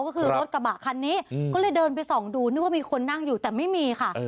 ก็คือรถกระบะคันนี้ก็เลยเดินไปส่องดูนึกว่ามีคนนั่งอยู่แต่ไม่มีค่ะ